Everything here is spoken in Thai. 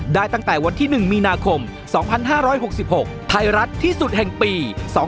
ตั้งแต่วันที่๑มีนาคม๒๕๖๖ไทยรัฐที่สุดแห่งปี๒๕๖